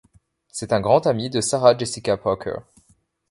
C'est un grand ami de Sarah Jessica Parker.